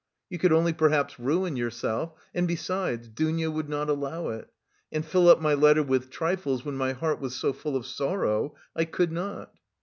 You could only perhaps ruin yourself, and, besides, Dounia would not allow it; and fill up my letter with trifles when my heart was so full of sorrow, I could not.